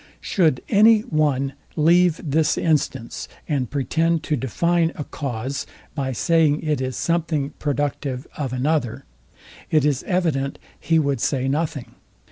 Should any one leave this instance, and pretend to define a cause, by saying it is something productive of another, it is evident he would say nothing.